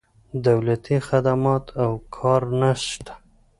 دولتي خدمات او کار نه شته.